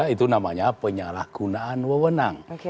itu namanya penyalahgunaan wewenang